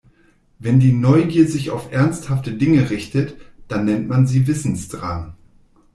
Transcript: Wenn die Neugier sich auf ernsthafte Dinge richtet, dann nennt man sie Wissensdrang.